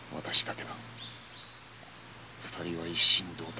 二人は一心同体。